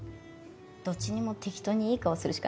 どっちにも適当にいい顔するしかないでしょ。